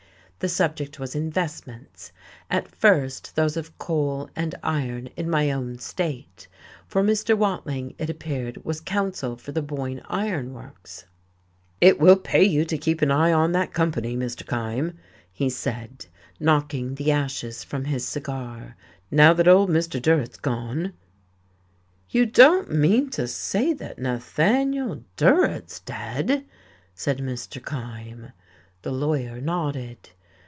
The subject was investments, at first those of coal and iron in my own state, for Mr. Watling, it appeared, was counsel for the Boyne Iron Works. "It will pay you to keep an eye on that company, Mr. Kyme," he said, knocking the ashes from his cigar. "Now that old Mr. Durrett's gone " "You don't mean to say Nathaniel Durrett's dead!" said Mr. Kyme. The lawyer nodded.